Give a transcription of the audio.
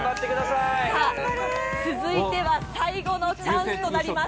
さあ、続いては最後のチャンスとなります。